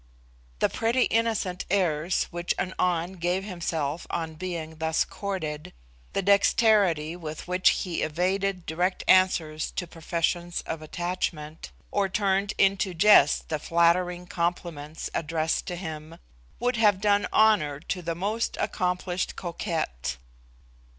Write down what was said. The pretty innocent airs which an An gave himself on being thus courted, the dexterity with which he evaded direct answers to professions of attachment, or turned into jest the flattering compliments addressed to him, would have done honour to the most accomplished coquette.